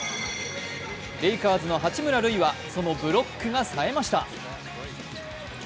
レイカーズの八村塁はそのブロックがさえました。